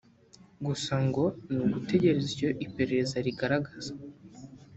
gusa ngo ni ugutegereza icyo iperereza rizagaragaza